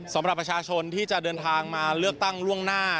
สำหรับประชาชนที่จะเดินทางมาเลือกตั้งล่วงหน้า